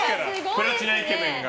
プラチナイケメンが。